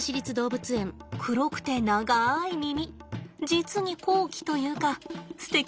黒くて長い耳実に高貴というかすてきなんでございます。